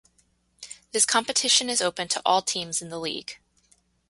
This competition is open to all teams in the league.